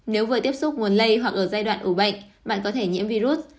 nếu vừa tiếp xúc nguồn lây hoặc ở giai đoạn ủ bệnh bạn có thể nhiễm virus